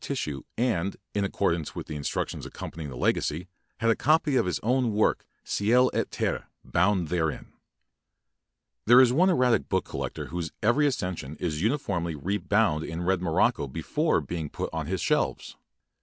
OalUeo'i Letter (23 a4ila 64| tissue and, in accordance with instruc tions accompanying the legacy, had a copy of his own work "Ciel et Terre" bound therein. There is one erratic book collector whose every accession is uniformly re bound in red morocco before being put on his shelves.